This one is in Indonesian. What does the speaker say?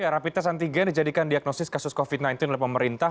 rapi tes antigen dijadikan diagnosis kasus covid sembilan belas oleh pemerintah